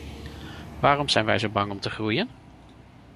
Waarom zijn wij zo bang om te groeien?